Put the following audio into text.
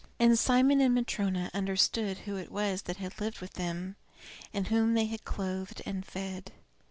XI And Simon and Matryona understood who it was that had lived with them, and whom they had clothed and fed.